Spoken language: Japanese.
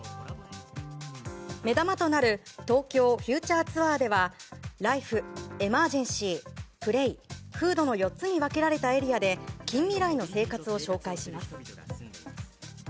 目玉となる、トウキョウ・フューチャー・ツアーではライフ、エマージェンシープレイ、フードの４つに分けられたエリアで近未来の生活を紹介します。